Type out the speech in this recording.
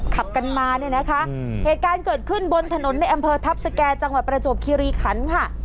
ขับกันมาเนี่ยนะคะเหตุการณ์เกิดขึ้นบนถนนในอำเภอทัพสแก่จังหวัดประจวบคิริขันค่ะ